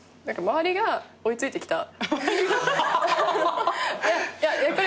周りが追い付いてきた。